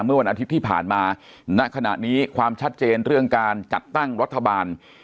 เมื่อวันอาทิตย์ที่ผ่านมาณขณะนี้ความชัดเจนเรื่องการจัดตั้งรัฐบาล